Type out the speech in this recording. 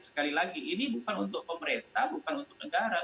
sekali lagi ini bukan untuk pemerintah bukan untuk negara